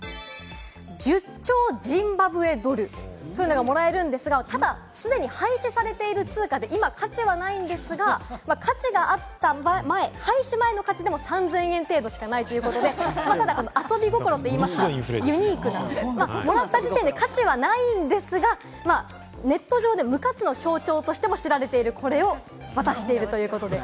１０兆ジンバブエドルというのがもらえるんですが、ただ既に廃止されている通貨で、今価値はないんですが、価値があった廃止前の価値でも３０００円程度しかないということで、ただ遊び心といいますかね、ユニークな、もらった時点で価値はないんですが、ネット上で無価値の象徴としても知られている、これを渡しているということです。